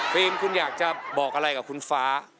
คุณอยากจะบอกอะไรกับคุณฟ้า